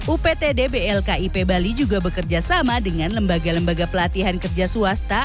uptd blkip bali juga bekerja sama dengan lembaga lembaga pelatihan kerja swasta